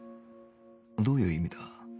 どういう意味だ？